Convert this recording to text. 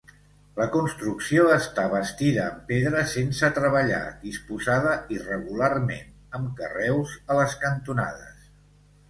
La construcció està bastida en pedra sense treballar disposada irregularment, amb carreus a les cantonades.